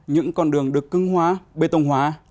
những con đường được cưng hóa bê tông hóa